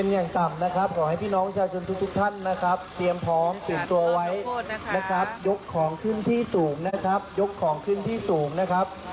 ยกของขึ้นที่สูงนะครับยกของขึ้นที่สูงนะครับ